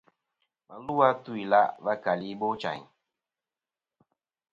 Và lu a tu-ila' va keli Ibochayn.